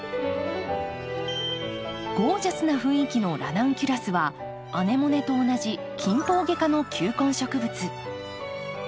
ゴージャスな雰囲気のラナンキュラスはアネモネと同じキンポウゲ科の球根植物。